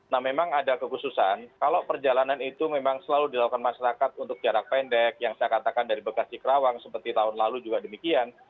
nah memang ada kekhususan kalau perjalanan itu memang selalu dilakukan masyarakat untuk jarak pendek yang saya katakan dari bekasi kerawang seperti tahun lalu juga demikian